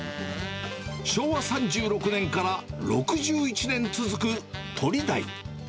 昭和３６年から６１年続く、鳥大。